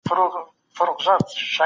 خلګو د خپلو حقونو ساتنه کوله.